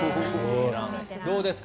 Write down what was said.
どうですか？